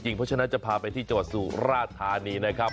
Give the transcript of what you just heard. เพราะฉะนั้นจะพาไปที่สู่ราธานีนะครับ